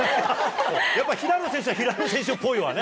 やっぱ平野選手は平野選手っぽいわね。